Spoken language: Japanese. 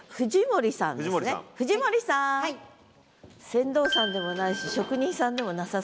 船頭さんでもないし職人さんでもなさそうですね。